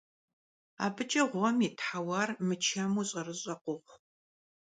Abıç'e ğuem yit heuar mıçemu ş'erış'e khoxhu.